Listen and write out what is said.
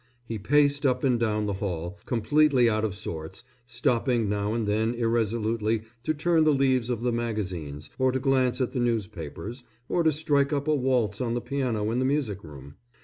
He paced up and down the hall, completely out of sorts, stopping now and then irresolutely to turn the leaves of the magazines, or to glance at the newspapers, or to strike up a waltz on the piano in the music room.